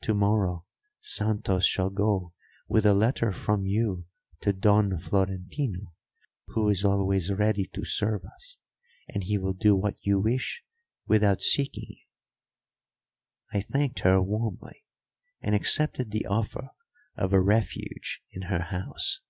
To morrow Santos shall go with a letter from you to Don Florentino, who is always ready to serve us, and he will do what you wish without seeking you." I thanked her warmly and accepted the offer of a refuge in her house.